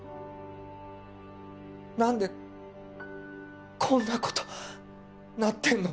何でこんなことなってんの！？